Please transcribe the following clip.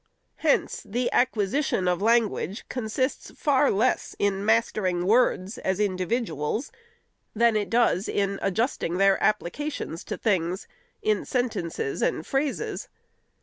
Hence, the acquisition of language consists far less in mastering words as individuals, than it does in adjusting their applications to things, in sentences and phrases.